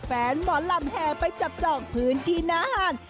แฟนหมอนลำแห่ไปจับจอกพื้นที่น้าห่าน